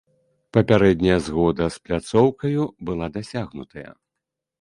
Папярэдняя згода з пляцоўкаю была дасягнутая.